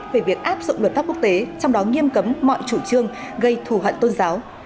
về việc áp dụng luật pháp quốc tế trong đó nghiêm cấm mọi chủ trương gây thù hận tôn giáo